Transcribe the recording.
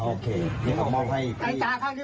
โอเคนี่เอามอบให้พี่